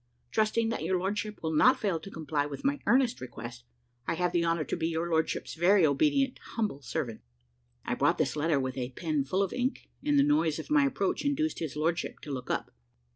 Trusting that your lordship will not fail to comply with my earnest request, I have the honour to be your lordship's very obedient humble servant." I brought this letter, with a pen full of ink, and the noise of my approach induced his lordship to look up.